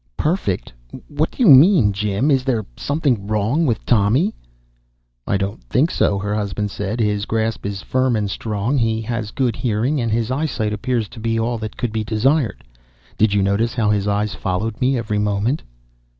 "Perfect! What do you mean, Jim? Is there something wrong with Tommy?" "I don't think so," her husband said. "His grasp is firm and strong. He has good hearing and his eyesight appears to be all that could be desired. Did you notice how his eyes followed me every moment?"